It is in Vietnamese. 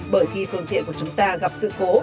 bởi khi phương tiện của chúng ta gặp sự cố